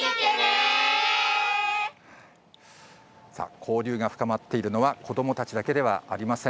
交流が深まっているのは子どもたちだけではありません。